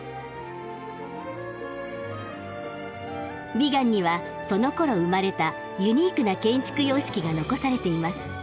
ビガンにはそのころ生まれたユニークな建築様式が残されています。